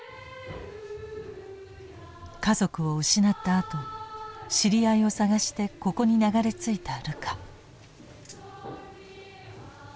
家族を失った後知り合いを捜してここに流れ着いたルカ。